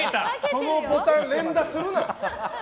そのボタン、連打するな。